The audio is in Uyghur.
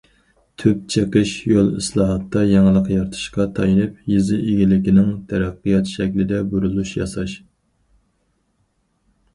تۈپ چىقىش يول ئىسلاھاتتا يېڭىلىق يارىتىشقا تايىنىپ، يېزا ئىگىلىكىنىڭ تەرەققىيات شەكلىدە بۇرۇلۇش ياساش.